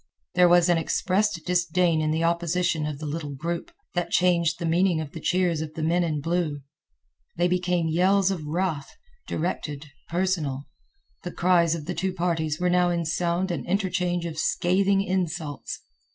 There was an expressed disdain in the opposition of the little group, that changed the meaning of the cheers of the men in blue. They became yells of wrath, directed, personal. The cries of the two parties were now in sound an interchange of scathing insults.